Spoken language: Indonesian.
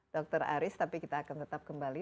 dr aris tapi kita akan tetap kembali